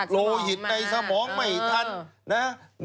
โรหิตในสปองไม่ทันโรหิตในสปองมาก